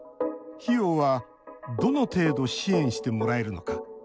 費用はどの程度支援してもらえるのか。